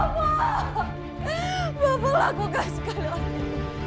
bapak lakukan sekali lagi